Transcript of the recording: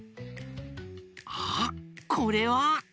あっこれは！